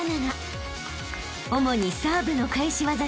［主にサーブの返し技で］